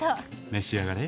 召し上がれ。